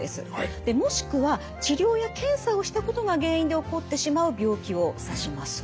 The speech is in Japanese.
もしくは治療や検査をしたことが原因で起こってしまう病気を指します。